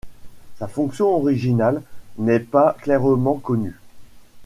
Sa fonction originale n'est pas clairement connue.